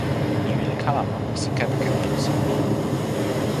mi wile kalama musi kepeken ilo sin mi.